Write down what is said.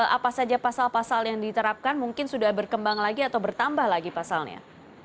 apa saja pasal pasal yang diterapkan mungkin sudah berkembang lagi atau bertambah lagi pasalnya